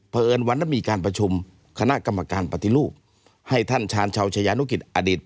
เพราะเอิญวันนั้นมีการประชุมคณะกรรมการปฏิรูปให้ท่านชาญชาวชายานุกิจอดีต